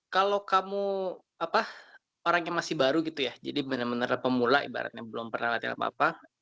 kalau kamu orang yang masih baru gitu ya jadi benar benar pemula ibaratnya belum pernah latihan apa apa